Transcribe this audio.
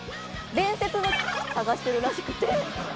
伝説探してるらしくて。